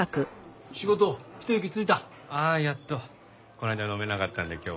この間飲めなかったんで今日は。